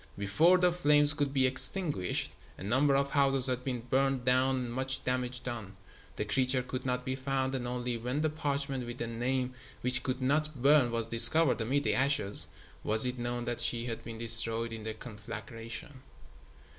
Before the flames could be extinguished, a number of houses had been burned down and much damage done. The creature could not be found, and only when the parchment with the Name, which could not burn, was discovered amid the ashes, was it known that she had been destroyed in the conflagration.